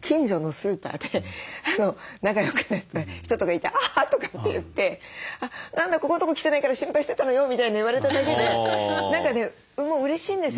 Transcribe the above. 近所のスーパーで仲良くなった人とかいて「あ」とかって言って「何だここんとこ来てないから心配してたのよ」みたいに言われただけで何かねもううれしいんですよ